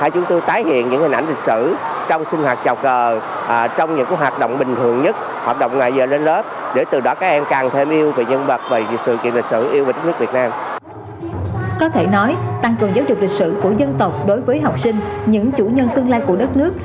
có thể nói tăng cường giáo dục lịch sử của dân tộc đối với học sinh những chủ nhân tương lai của đất nước